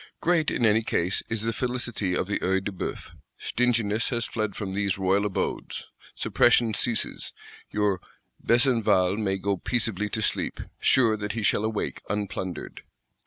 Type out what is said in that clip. Great, in any case, is the felicity of the Œil de Bœuf. Stinginess has fled from these royal abodes: suppression ceases; your Besenval may go peaceably to sleep, sure that he shall awake unplundered.